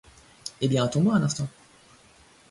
Eh bien, attends-moi un instant.